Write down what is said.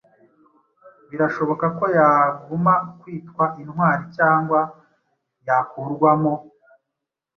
birashoboka ko yaguma kwitwa intwari cyangwa yakurwamo?!